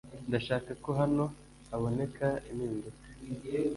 Ndashaka ko hano haboneka impinduka